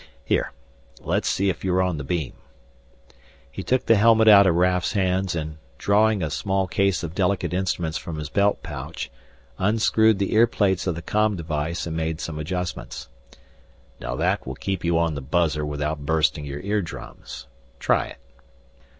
Here, let's see if you're on the beam." He took the helmet out of Raf's hands and, drawing a small case of delicate instruments from his belt pouch, unscrewed the ear plates of the com device and made some adjustments. "Now that will keep you on the buzzer without bursting your eardrums. Try it."